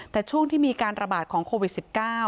แต่ช่วงที่มีการระบาดของโควิด๑๙